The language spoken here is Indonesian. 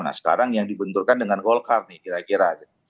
nah sekarang yang dibenturkan dengan golkar nih kira kira gitu